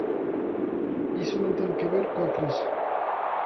Iso non ten que ver coa crise.